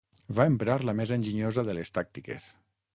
Va emprar la més enginyosa de les tàctiques.